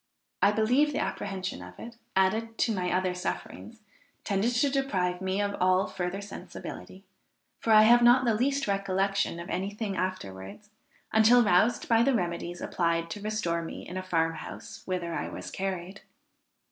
I believe the apprehension of it, added to my other sufferings tended to deprive me of all further sensibility, for I have not the least recollection of any thing afterwards until roused by the remedies applied to restore me in a farm house whither I was carried.